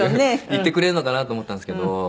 言ってくれるのかなと思ったんですけど。